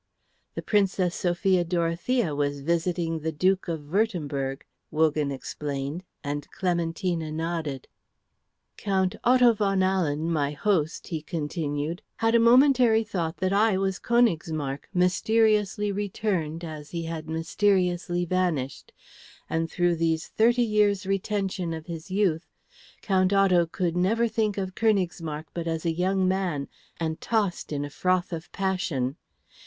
"The Princess Sophia Dorothea was visiting the Duke of Würtemberg," Wogan explained, and Clementina nodded. "Count Otto von Ahlen, my host," he continued, "had a momentary thought that I was Königsmarck mysteriously returned as he had mysteriously vanished; and through these thirty years' retention of his youth, Count Otto could never think of Königsmarck but as a man young and tossed in a froth of passion.